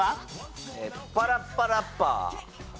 『パラッパラッパー』。